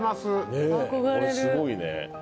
ねぇこれすごいね。